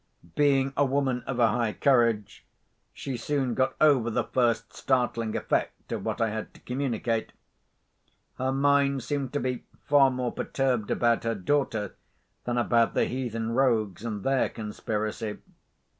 Being a woman of a high courage, she soon got over the first startling effect of what I had to communicate. Her mind seemed to be far more perturbed about her daughter than about the heathen rogues and their conspiracy.